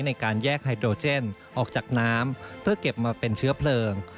ในการแยกไฮโดรเจนออกจากน้ำเพื่อเก็บมาเป็นเชื้อเพลิง